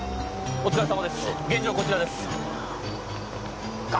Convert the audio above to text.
お疲れさまです！